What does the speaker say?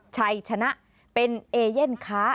ชัยชนะเป็นเอเย่นค้า